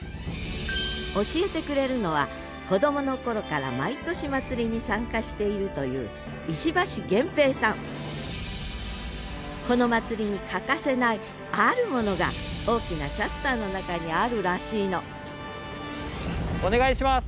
教えてくれるのは子どもの頃から毎年祭りに参加しているというこの祭りに欠かせないあるものが大きなシャッターの中にあるらしいのお願いします。